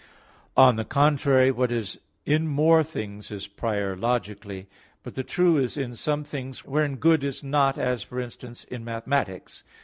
On the contrary, What is in more things is prior logically. But the true is in some things wherein good is not, as, for instance, in mathematics.